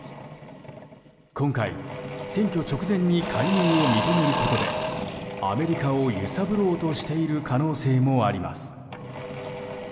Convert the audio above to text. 今回、選挙直前に介入を認めることでアメリカを揺さぶろうとしている可能性もあります。